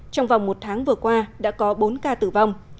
trong vòng một tháng vừa qua đã có bốn ca tử vong